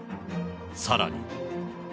さらに。